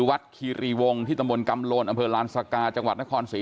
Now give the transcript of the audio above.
วัดคีรีวงที่ตระมนกำโรณอเมอร์ลานสระคาจังหวัดนครศรี